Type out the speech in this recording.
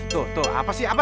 tuh tuh apa sih apa